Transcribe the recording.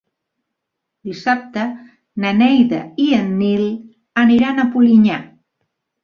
Dissabte na Neida i en Nil aniran a Polinyà.